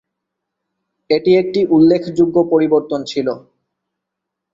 এটি একটি উল্লেখযোগ্য পরিবর্তন ছিল।